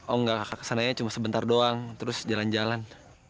oh enggak kesananya cuma sebentar doang terus jalan jalan